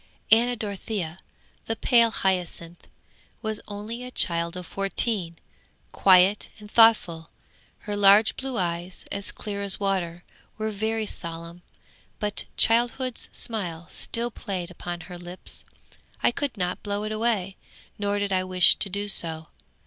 'Anna Dorothea, the pale hyacinth, was only a child of fourteen, quiet and thoughtful. Her large blue eyes, as clear as water, were very solemn, but childhood's smile still played upon her lips; I could not blow it away, nor did I wish to do so.